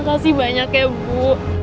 makasih banyak ya bu